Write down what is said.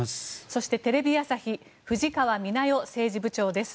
そしてテレビ朝日藤川みな代政治部長です。